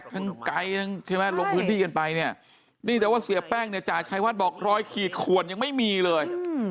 หลงพื้นที่กันไปแต่เสียแป้งจ่าชายว่าบอก๑๐๐ขวนยังไม่มีเลย